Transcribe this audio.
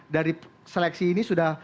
dari seleksi ini sudah